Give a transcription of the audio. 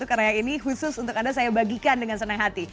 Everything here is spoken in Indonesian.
karena yang ini khusus untuk anda saya bagikan dengan senang hati